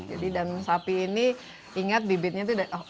jadi dan sapi ini ingat bibitnya itu holland